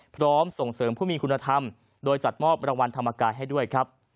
ส่งเสริมผู้มีคุณธรรมโดยจัดมอบรางวัลธรรมกายให้ด้วยครับ